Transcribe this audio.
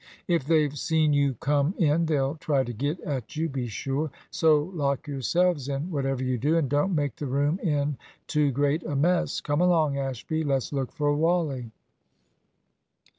If they've seen you come in, they'll try to get at you, be sure; so lock yourselves in, whatever you do, and don't make the room in too great a mess. Come along, Ashby; let's look for Wally."